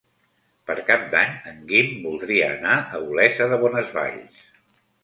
Per Cap d'Any en Guim voldria anar a Olesa de Bonesvalls.